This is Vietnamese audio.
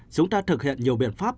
chúng ta thực hiện nhiều biện pháp